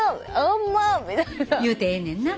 言うてええねんな。